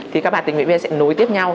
thì các bạn tình nguyện viên sẽ nối tiếp nhau